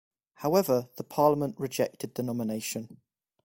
However, the parliament rejected the nomination.